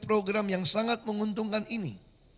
program yang sangat menguntungkan ini